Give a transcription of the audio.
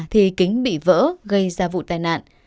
thì kính bị vỡ gây ra vụ tai nạn